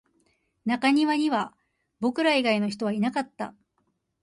中庭には僕ら以外の人はいなかった